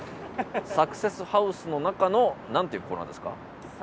サクセスハウスの中の何ていうコーナーですか？